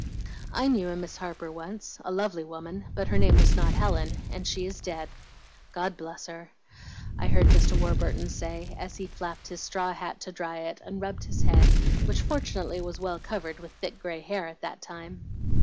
"'I knew a Miss Harper once, a lovely woman, but her name was not Helen, and she is dead, God bless her!' I heard Mr. Warburton say, as he flapped his straw hat to dry it, and rubbed his head, which fortunately was well covered with thick gray hair at that time.